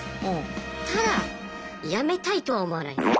ただやめたいとは思わないんです。